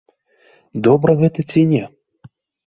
Добра гэта ці не?